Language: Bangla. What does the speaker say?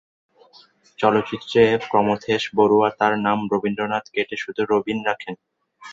চলচ্চিত্রে প্রমথেশ বড়ুয়া তার নাম ‘রবীন্দ্রনাথ’ কেটে শুধু "রবীন" রাখেন।